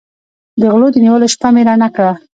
د غلو د نیولو شپه مې رڼه کړه.